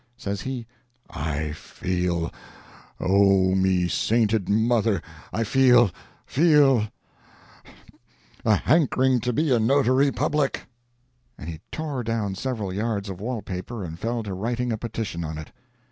Says he, "I feel—O me sainted mother!—I feel—feel—a hankering to be a Notary Public!" And he tore down several yards of wall paper, and fell to writing a petition on it.